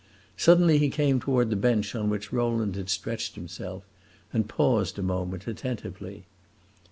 Suddenly he came toward the bench on which Rowland had stretched himself, and paused a moment, attentively.